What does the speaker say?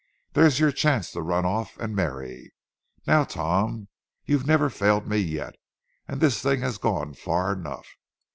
There's your chance to run off and marry. Now, Tom, you've never failed me yet; and this thing has gone far enough.